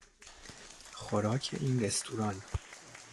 خوراک این رستوران